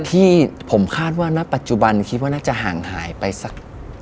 ที่ผมคาดว่าณปัจจุบันคิดว่าน่าจะห่างหายไปสัก